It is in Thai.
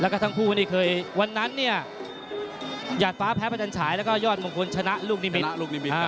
แล้วก็ทั้งคู่นี่เคยวันนั้นเนี่ยหยาดฟ้าแพ้ประจันฉายแล้วก็ยอดมงคลชนะลูกนิมิตลูกนิมิต